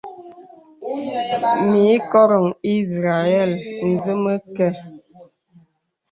Mì kɔrə̄ ìzrəɛl zə məkə.